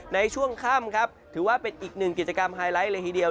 ในช่วงค่ำครับถือว่าเป็นอีกหนึ่งกิจกรรมไฮไลท์เลยทีเดียว